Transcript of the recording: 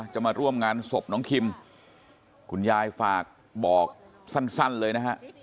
จะมาร่วมงานศพน้องคิมคุณยายฝากบอกสั้นเลยนะฮะ